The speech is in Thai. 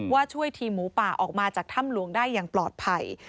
ช่วยทีมหมูป่าออกมาจากถ้ำหลวงได้อย่างปลอดภัย